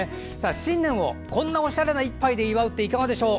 新年を、こんなおしゃれな１杯で祝うっていかがでしょうか。